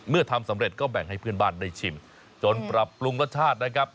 ทำสำเร็จก็แบ่งให้เพื่อนบ้านได้ชิมจนปรับปรุงรสชาตินะครับ